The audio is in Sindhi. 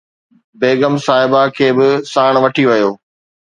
بيگم صاحبه کي به ساڻ وٺي ويو